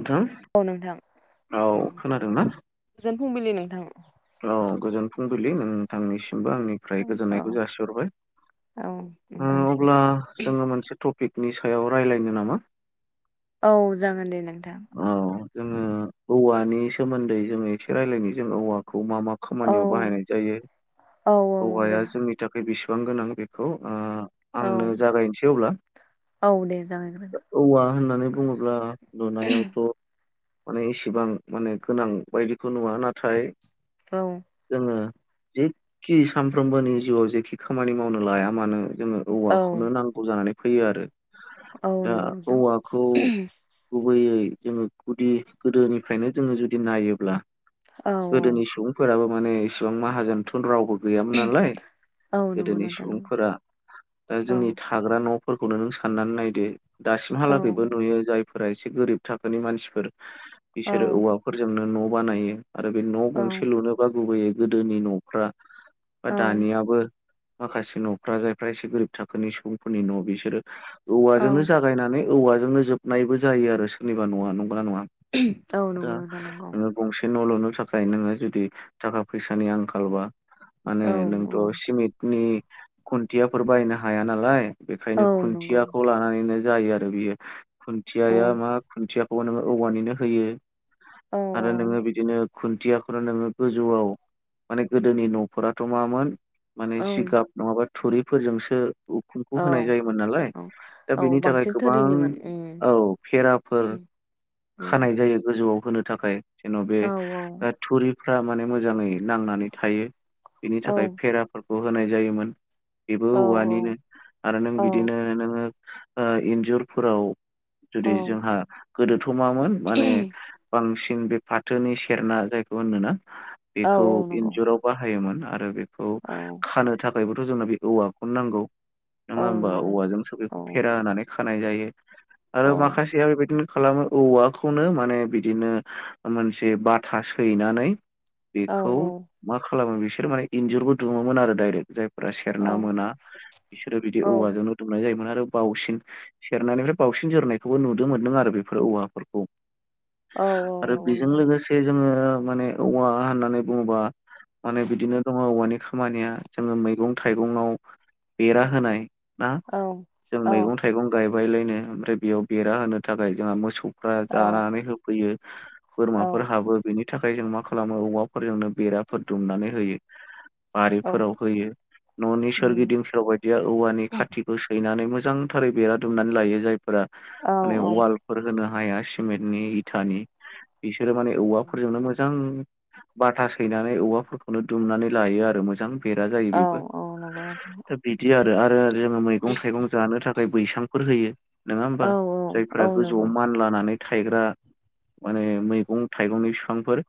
नोंथां औ नोंथां औ खोनादोंना गोजोन फुंबिलि नोंथां औ गोजोन फुंबिलि नोंथांनिसिम आंनिफ्राय औ गोजोननायखौ जासिहरबाय औ नोंथांसिमबो अब्ला जोङो मोनसे ट पिकनि सायाव रायज्लायनो नामा औ जागोन दे नोंथां नि सोमोनदै जोङो एसे रायज्लायनो जों औवा खौ मा मा औ खामानियाव बाहायनाय जायो औ औ औवाया दे जोंनि था खाय बेसेबां गोनां बेखौ ओ औ आंनो जागायनोसै अब्ला औ दे जागायग्रोदो औवा होनना नै बुङोब्ला नुनायावथ' माने इसिबां माने गोनां बायदिखौ नुवा नाथाय औ जोङो जेखि सानफ्रोमबोनि जिउआव जेखि खामानि मावनो लाया मानो जोङो औवाखौनो औ नांगौ जानानै फैयो आरो औ दा नंगौ नोंथां औवाखौ गुबैयै जोङो गुदि गोदोनिफ्रायनो जोङो जुदि नायोब्ला औ गोदोनि सुबुंफोराबो माने इसिबां माहाजोनथ' रावबो गैयामोन नालाय औ नंगौ गोदोनि नोंथां नंगौ सुबुंफोरा दा औ जोंनि थाग्रा न' फोरखौनो नों साननानै नायदो औ दासिमहालागैबो नुयो जायफोरा एसे गोरिब थाखोनि मानसिफोर औ बिसोरो औवाफोरजोंनो न' बानायो आरो बे न' औ गंसे लुनोबा गुबैयै गोदोनि न'फ्रा बा औ दानियाबो माखासे न'फ्रा जायफ्रा एसे गोरिब थाखोनि सुबुंफोरनि न' बिसोरो औ औवाजोंनो जागायनानै औवाजोंनो जोबनायबो जायो आरो सोरनिबा नवा नंगौ ना नङा औ दा नंगौ नोंथां नंगौ नोङो गंसे बे न' लुनो थाखाय नोङो जुदि थाखा फैसानि आंखाल बा माने औ नोंथ' सिमेन्टनि खुन्थियाफोर बायनो हाया नालाय औ बेखायनो नंगौ खुन्थियाखौ लानानैनो जायो आरो बियो औ खुन्थियाया मा खुन्थिया खौ नोङो औवानिनो होयो औ आरो नोङो बिदिनो खुन्थियाफ्रा नोङो गोजौआव माने गोदोनि न'फोराथ' मामोन माने औ जिगाब नङाबा थुरिफोरजोंसो उखुमखौ औ होनाय जायोमोन नालाय औ दा औ बेनि थाखाय बांसिन गोबां थोरिनिमोन उम औ फेराफोर उम खानाय जायो गोजौआव होनो थाखाय जेन' बे औ औ थुरिफ्रा माने मोजाङै नांनानै थायो बेनि औ थाखाय फेराफोरखौ होनाय जायोमोन बेबो औ औवानिनो आरो नों औ बिदिनो नोङो ओ इन्जुरफोराव जुदि औ जोंहा गोदोथ' मामोन माने बांसिन बे फाथोनि सेरना जायखौ होनोना औ बेखौ औ नंगौ इन्जुराव बाहायोमोन आरो बे खौ औ खानो थाखायबोथ' जोंनो बे औवाखौनो नांगौ औ नोङा होमबा नंगौ नोंथां औवाजोंसो औ बेखौ फेरा होनानै खानाय जायो औ आरो माखासेया बेबायदिनो खालामो औवाखौनो माने बिदिनो मोनसे बाथा सैनानै औ बेखौ मा खालामो बिसोर माने इन्जुरबो दुुमोमोन आरो दाइरेक्ट जाय फोरा औ सेरना मोना बिसोरो बिदि औवाजोंनो दुमनाय जायोमोन आरो बावसिन सेरनानिफ्राय बावसिन जोरनायखौबो नुदो मोनदों आरो बेफोर औवाफोरखौ। औ आरो नंगौ बेजों नोंथां लोगोसे जोङो माने औवा होननानै बुङोबा। माने बिदिनो दङ औवानि खामानिया जोङो मैगं थाइगङाव बेरा होनाय। ना औ जों औ मैगं थाइगं गायबाय लायनो ओमफ्राय बेयाव बेरा होनो थाखाय जोंहा मोसौ फोरा जानानै होफैयो औ बोरमाफोर हाबो बेनि थाखाय जों मा खालामो औवाफोरजोंनो बेराफोर दुमनानै होयो। औ बारिफोराव होयो न'नि उम सोरगिदिं सोरबा बायदिया औवानि खाथिखौ सैनानै मो जांथारै बेरा दुमनानै लायो जायफोरा औ माने औ वालफोर होनो हाया सिमेन्टनि इथानि बिसोरो माने उम औवाफोरजोंनो मोजां बाथा सैनानै औवाफोरखौनो दुमनानै लायो आरो मोजां बेरा जायो औ बेबो औ नंगौ नोंथां दा बिदि आरो ओरो जोङो मैगं थाइगं जानो थाखाय बैसांफोर होयो नोङा होमबा औ औ औ जायफोरा गोजौआव नंगौ मान लानानै थायग्रा माने मैगं थाइगंनि फिफांफोर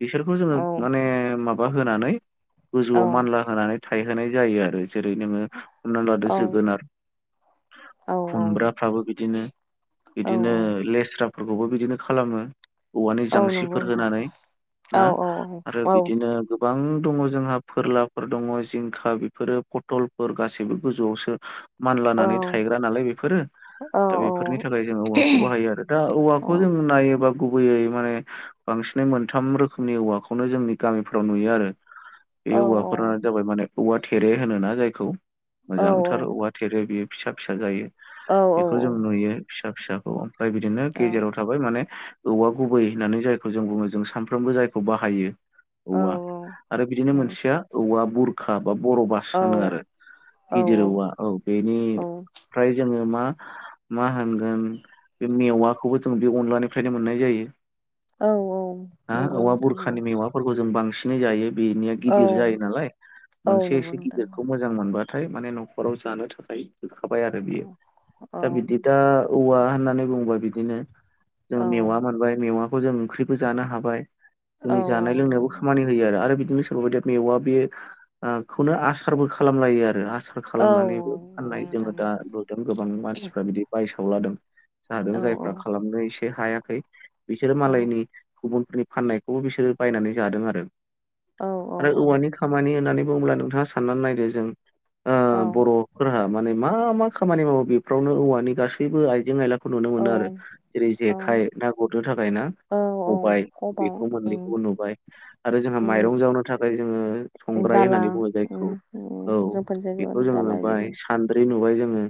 बिसोरखौ औ जोङो माने माबा होनानै औ गोजौआव मानला होनानै थायहोनाय जायो आरो जेरै नोङो हमना लादो औ जोगोनार औ खुमब्रा। फ्राबो बिदिनो औ बिदिनो लेस्राफोरखौबो बिदिनो खालामो। औवानि औ नंगौ जांसिफोर नोंथां होनानै औ ना औ आरो औ बिदिनो गोबां दङ जोंहा फोरलाफोर दङ जिंखा बेफोरो पथलफोर गासैबो गोजौआवसो मानलानानै थायग्रा नालाय बेफोरो। औ दा बेफोरनि थाखाय जों औवाखौ औ बाहायो आरो दा औवाखौ जों नायो बा गुबैयै माने बांसिनै मोनथाम रोखोमनि औवाखौनो जोंनि गामिफ्राव नुयो आरो बे औवाफोरा जाबाय माने औवा थेरे होनो ना जायखौ। मोजांथार औवा थेरे बियो फिसा फिसा जायो। औ बेखौ औ जों नुयो फिसा फिसाखौ ओमफ्राय बिदिनो औ गेजेराव थाबाय माने। औवा गुबै होननानै जायखौ जों बुङो जों सानफ्रोमबो जायखौ बाहायो। औ औवा आरो बिदिनो औ मोनसेया औवा बुरखा। बा बर' बास औ होनो आरो औ गिदिर औवा औ औ बेनिफ्राय जोङो मा। मा होनगोन बे मेवाखौबो जों बे अनलानिफ्रायनो मोननाय जायो। औ औ हा नंगौ औवा नोंथां नंगौ बुरखानि मेवाफोरखौ जों बां सिनै जायो बेनिया औ गिदिर जायो नालाय औ मोनसे नंगौ एसे नोंथां गिदिरखौ नंगौ मोजां मोनबा थाय माने न'खराव जानो थाखाय होखाबाय आरो औ बेयो औ दा बिदि दा औवा। होननानै बुंङोबा बिदिनो जों औ मेवा मोनबाय मेवाखौ जों ओंख्रिबो जानो हाबाय। औ जोंनि जानाय नंगौ लोंनायावबो नोंथां खामानि होयो आरो बिदिनो बेफोरबायदि मेवा बे ओ खौनो आसारबो खालामलायो आरो आस सार औ औ खालामनानैबो फाननाय नंगौ जोङो नोंथां दा नंगौ नुदों गोबां मान बायसावलादों जादों औ जायफ्रा खालामनो एसे हायाखै बिसोरो औ मालायनि गुबुनफोरनि फाननायखौबो बिसोरो बायनानै जादों आरो औ औ आरो औवानि खामानि होननानै ब्ला नोंथाङा साननानै नायदो जों ओ औ बर'फोरहा माने मा मा खामानि मावो बे फ्रावनो औवानि गासैबो आइजें आयलाखौ नुनो मोनो आरो जेरै औ जेखाइ ना गुरनो थाखाय ना औ औ खबाय खबाय बेखौ उम मोननैखौबो नुबाय आरो जोंहा माइरं उम जावनो थाखाय जोङो संगा बाय दाला होननानै बुङो जायखौ उम उम औ जोंफोर जायगायाव बेखौ आरो जों दालाय बिदि नुबाय सानद्रि नु खौहाय जोङो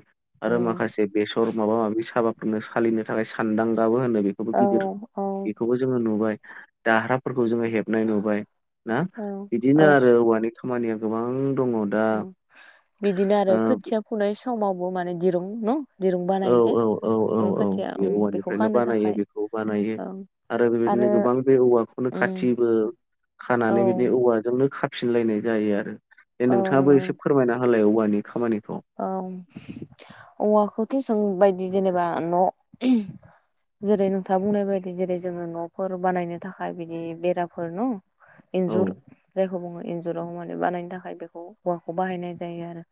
औ आरो माखासे बेसर माबा माबि साबाफोरनो सालिनो थाखाय सानदांगा [unintelligible] औ गिदिर औ बेखौबो जोंङो नुबाय दा हाराफोर खौ जोङो हेबनाय नुबाय ना बिदिनो आरो औवानि खामानिया गोबां। दङ दा ओ बिदिनो आरो ओ खोथिया फुनाय समावबो माने दिरुं न' दिरुं औ बानायो जे औ औ औ ओ औ खोथिया बे ओम बेखौ औवानिफ्रायनो खानो बानायो थाखाय। बेखौ बानायो आरो बेबायदिनो गोबां बे औवाखौनो उम खाथिबो औ खानानै बिदिनि औवाजोंनो खा फिनलायनाय जायो आरो। दे औ नोंथाङाबो नंगौ नों एसे फोरमायना होलाय औवानि खामानिखौ। किसां बायदि जेनेबा न' जेरै नोंथाङा बुंनाय बायदि जेरै जोङो न'फोर बानायनो थाखाय बिदि बेराफोर न'। औ इन्जुर जायखौ बुङो इन्जुराव माने बानायनो थाख माय बेखौ औवाखौ बाहायनाय जायो आरो।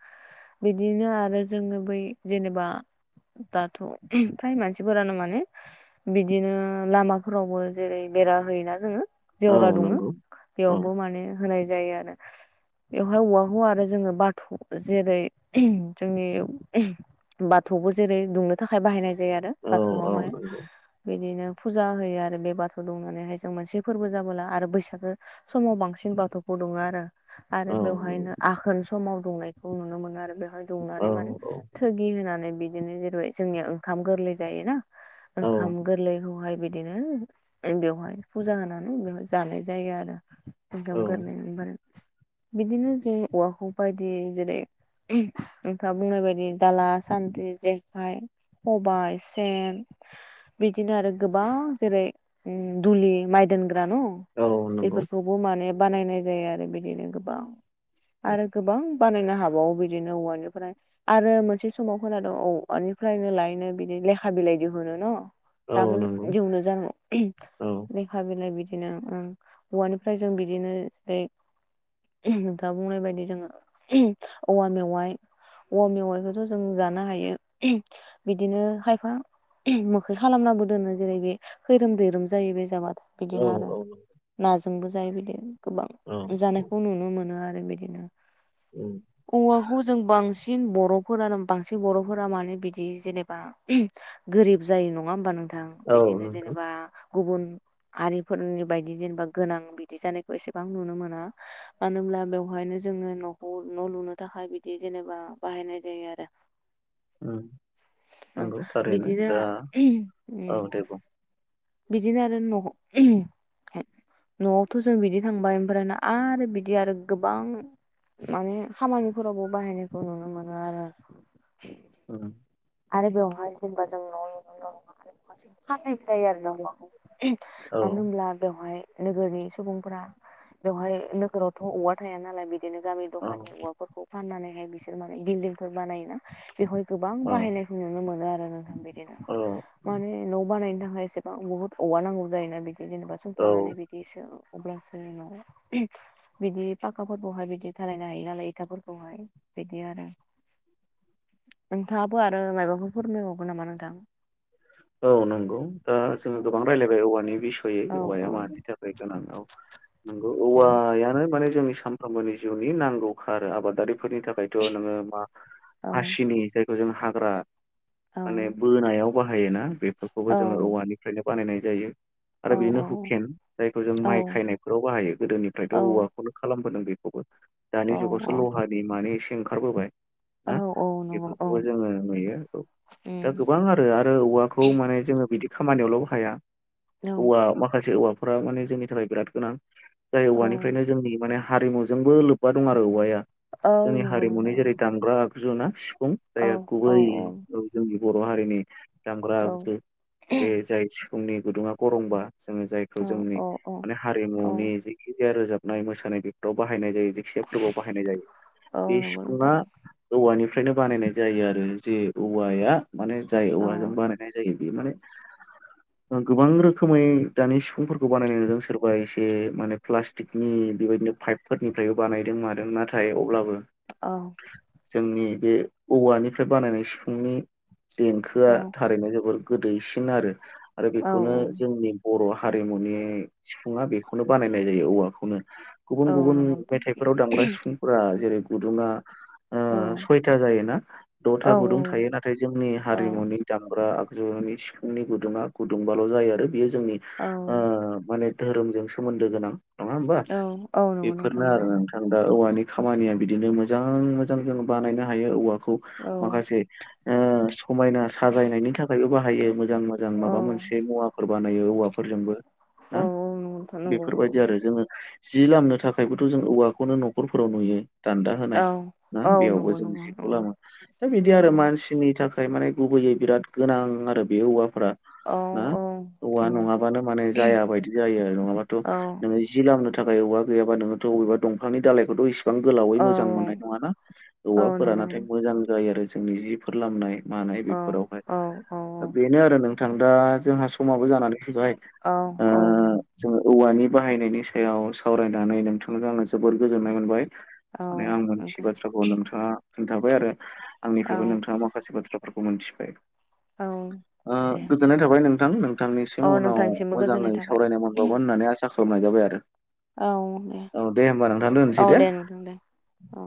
बिदिनो आरो जोङो बै जेनेबा दाथ' फ्राय मानसिफोरानो माने बिदिनो लामाफोरावबो जेरै बेरा होयोना जोङो औ जेवरा दङो नंगौ औ बेयावबो माने होनाय जायो आरो। बेवहाय औवाखौ आरो जोङो बाथौ जेरै जोंनि बाथौबो जेरै दुंनो थाखाय बाहायनाय जायो आरो औ औ बाथौआवहाय नंगौ बिदिनो फुजा होयो आरो बे बाथौ दुनानैहाय जों मोनसे फोरबो जाबोला आरो बैसागो समाव बांसिन बाथौखौ दं दङ आरो। आरो औ नंगौ बेवहायनो आघोन समाव दुंनायखौ नुनो मोनो आरो बेवहाय औ दुंनानै माने थोगि होनानै बिदिनो जेरै जोंनिया ओंखाम गोरलै जायोना? औ ओंखाम गोरलैखौहाय बिदिनो बेवहाय फुजा होनानै बेवहाय जानाय जायो आरो। ओंखाम गोरलैनो बार बिदिनो जों औवाखौ बायदि जेरै नोंथाङा बुंनाय बायदि दाला सान्द्रि जेखाइ। सबाइ सेन बिदिनो आरो गोबां जेरै ओम दुलि माइ दोनग्रा। ना न' औ नंगौ बेफोरखौबो माने बानायनाय जायो आरो बिदिनो गोबां। आरो गोबां बानायनो हाबावो बिदिनो औवानिफ्राय आरो मोनसे समाव खोनाद'औ औवानि। फरायनो लायनो बिदिनो लेखा बिलाइ दिहुनो न'? औ दाबो नंगौ जौनो जानौ औ लेखा बिलाइ बिद बिदिनो ओं हौवानिफ्राय जों बिदिनो जेरै नोंथाङा बुंनाय बायदि जोङो औवा मेवाइ। औवा मेवाइखौथ' जों जानो हायो बिदिनो खायफा मोखै खालामनाबो दोनो जेरै बे खैरोम दैैरोम जायो बे जाबा औ बिदिनो आरो औ नाजोंबो जायो बिदि गोबां औ जानायखौ नुनो मोनो आरो। बिदिनो औ औवाखौ जों बांसिन बांसिन बर'फोरानो बांसिन बर'फोरा मानो बिदि जेनेबा गोरिब जायो नङा होमबा नोंथां? जों औ बिदिनो नोंथां जेनेबा गुबुन हारिफोरनि बायदि जेनेबा गोनां बिदि जानायखौ एसेबां नुनो मोना। मानो होनब्ला बेवहायनो जोङो न'खौ न' लुनो थाखाय बिदि जेनेबा बाहायनाय जायो आरो। उम, औ नंगौ थारैनो बिदिनो दा औ [unintelligible] दे बुं बिदिनो आरो न' न'आवथ' जों बिदि थांबाय ओमफ्राय आरो बिदि आरो गोबां माने खामानिफोरावबो बाहायनायखौ नुनो मोनो आरो। औ आरो बेवहाय जेनेबा जों नवाव न न मोनसे फाननाय जायो आरो ना औवाखौ। औ मानो होनब्ला बेवहाय नोगोरनि सुबुंफोरा बेवहाय नोगोरावथ' औवा थाया नालाय बिदि बनो गामि औ दफानि औवाफोरखौ फाननानैहाय बिसोर माने बिल्डिंफोर बानायोना बेवहाय गोबां औ बाहायनायखौ नुनो मोनो आरो नोंथां बिदिनो औ माने न' बानायनो थाखाय [unintelligible] एसेबां बहुत औवा नांगौ जायोना बिदि जेनेबा औ सुंथानानै बिदि अब्लासो उनाव बिदि फाखाफोरखौहाय बिदि दालायनो हायो नालाय इथाफोरखौहाय बिदि आरो [inaudible] नोंथाङाबो आरो मायबाफोर फोरमायबावगोन नामा नोंथां? औ नंगौ दा जोङो गोबां रायलायबाय औवानि बिसयै औवाया औ-औ-औ मानि थाखाय गोनां औ नंगौ औवायानो माने जोंनि सानफ्रोमबोनि जिउनि नांगौखा आरो आबादारि फोरनि थाखायथ' नोङो मा हासिनि जायखौ जों हाग्रा माने बोनायाव बाहायोना बेफोरखौबो जोङो औवानिफ्रायनो बानायनाय जायो। आरो बिदिनो औ-औ-औ-औ-औ-औ-औ-औ-औ हुकेन जायखौ जों माइ खायनायफोराव बाहायो गोदोनिफ्रायथ' औवाखौनो खालामबोदों बे खौबो दानि जुगावसो लहानि मानि एसे ओंखारबोबाय नंगौ औ बेफोरखौबो जोङो नुयो औ दा गोबां आरो आ आरो औवाखौ माने जोङो बिदि खामानियावल' हाया औवा माखासे औवा फोरा माने जोंनि थाखाय बिराद गोनां जाय औवानिफ्रायनो जोंनि माने हारिमुजोंबो लोब्बा दं आरो औवाया औ-औ-औ जोंनि नंगौ हारिमुनि नोंथां जेरै दामग्रा आगजु ना सिफुं जाय औ गुबै जोंनि बर' हारिनि दामग्रा औ-औ-औ-औ-औ-औ-औ बे जाय सिफुंनि गुदुङा गरंबा जोङो जायखौ जोंनि माने हारिमुनि जेखि जाया रोजाबनाय मोसानाय बेफोराव बाहायनाय जायो। जायखिजाया फोरबोआव बाहायनाय जायो बे नंगौ सिफुङा नोंथां औवानि फ्रायनो बानायनाय जायो आरो जे औवाया माने जाय औवाजों बानायनाय जायो बियो माने गोबां रोखोमै दानि सिफुंफोरखौ बानायनाय नुदों सोरबा एसे माने प्लास्टिकनि बेबायदिनो पाइपफोरनिफ्रायबो बानायदों मादों नाथाय अब्लाबो औ। जोंनि बे औवानिफ्राय बानायनाय सिफुंनि देंखोआ नो जोबोर गोदैसिन आरो आरो बेखौनो जोंनि बर' हारिमुनि सिफुङा बेखौनो बानायनाय जायो औवाखौनो गुबुन गुबुन नंगौ नोंथां मेथायफोराव दामग्रा सिफुंफोरा जेरै गुदुङा सयथा जायोना दथा गुदुं थायो नाथाय जोंनि औ-औ-औ-औ-औ-औ हारिमुनि दामग्रा आगजुनि सिफुंनि गुदुङा गुदुंबाल' जायो आरो बियो जोंनि माने धोरोमजों सोमोन्दो गोनां नङा होमबा नंगौ नोंथां बेफोरनो आरो नंगौ नोंथां दा औवानि बे खामानिया बिदिनो मोजां मोजां जों बानायनो हायो औवाखौ माखासे समायना साजायनायनि थाखायबो बाहायो मोजां मोजां माबा मोनसे औ-औ-औ-औ मुवाफोर बा नायो औवाफोरजोंबो ना नंगौ नोंथां नंगौ नंगौ बेफोरबायदि आरो जोङो जि लामनो थाखायबोथ' जों औवाखौनो न'खरफोराव नुयो। दान्दा होनाय ना औ-औ बेयावबो नंगौ जों नंगौ जिखौ नंगौ खालामो दा बिदि औ आरो मानसिनि थाखाय माने गुबैयै बिराद गोनां आरो बे औवाफोरा औ ना औ औ औवा नङाबानो माने जाया बायदि जायो आरो नङाबाथ' औ नोङो जि लामनो थाखायबा गैयाबाथ अबेबा दंफां दालायखौथ' इसे बां गोलावै औ मोजां मोननाय नङाना औ औवाफोरा नंगौ नाथाय नंगौ मोजां जायो आरो जोंनि जिफोर लामनाय मानाय औ बेफोरावहाय औ औ दा बेनो आरो नों थां दा जोंहा समाबो जानानै फैबाय औ जोङो औवानि बाहायनायनि सायाव सावरायनानै नोंथांजों आङो जोबोर गोजोननाय मोनबाय औ माने आं मोनथि नोंथां बाथ्राखौ नोंथाङा खोन्थाबाय आरो औ आंनिफ्रायबो नोंथाङा माखासे बाथ्राफोरखौ मोनथिबाय औ ओ दे गोजोननाय थाबाय नोंथां नों थांनिसिम औ उनाव नोंथांनिसिमबो गोजोननाय मोजाङै थाबाय सावरायनाय मोनबावगोन होननानै आसा खालामनाय जाबाय आरो औ दे होनोमबा नोंथां दोनसै औ दे नोंथां दे औ